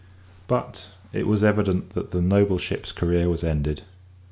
But it was evident that the noble ship's career was ended.